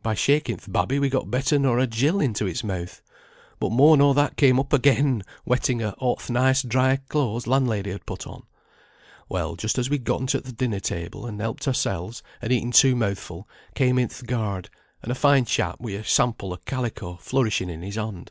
By shaking th' babby we got better nor a gill into its mouth, but more nor that came up again, wetting a' th' nice dry clothes landlady had put on. Well, just as we'd gotten to th' dinner table, and helped oursels, and eaten two mouthful, came in th' guard, and a fine chap wi' a sample o' calico flourishing in his hand.